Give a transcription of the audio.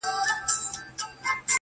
• همېشه په ښو نمرو کامیابېدله..